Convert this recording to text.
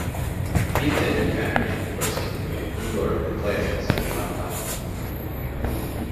He attended Cambridge University and learned the classics and five languages.